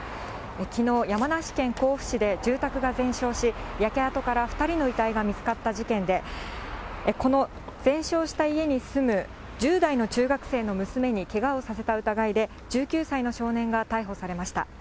きのう、山梨県甲府市で住宅が全焼し、焼け跡から２人の遺体が見つかった事件で、この全焼した家に住む１０代の中学生の娘にけがをさせた疑いで、１９歳の少年が逮捕されました。